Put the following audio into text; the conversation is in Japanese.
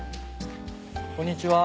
こんにちは。